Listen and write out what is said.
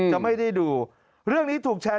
จะไม่ได้ดูเรื่องนี้ถูกแชร์